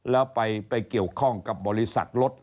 แล้วไปเกี่ยวข้องกับบริษัทรถ